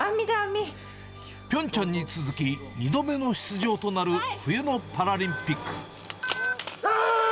ピョンチャンに続き、２度目の出場となる冬のパラリンピック。